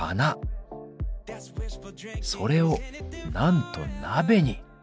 それをなんと鍋に！